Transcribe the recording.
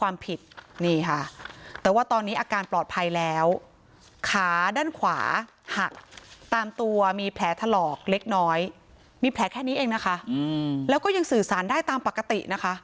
มีแผลแค่นี้เองแล้วก็ยังสื่อสารได้ตามปกติ